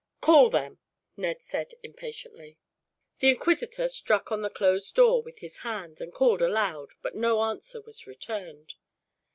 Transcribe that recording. "Call them," Ned said impatiently. The inquisitor struck on the closed door with his hands, and called aloud, but no answer was returned.